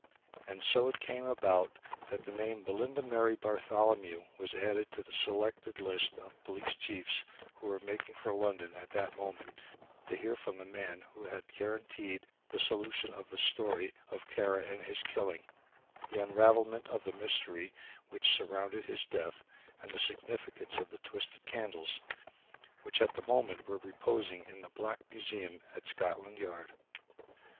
And so it came about that the name of Belinda Mary Bartholomew was added to the selected list of police chiefs, who were making for London at that moment to hear from the man who had guaranteed the solution of the story of Kara and his killing; the unravelment of the mystery which surrounded his death, and the significance of the twisted candles, which at that moment were reposing in the Black Museum at Scotland Yard.